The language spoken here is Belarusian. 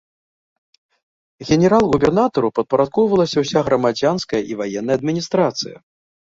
Генерал-губернатару падпарадкоўвалася ўся грамадзянская і ваенная адміністрацыя.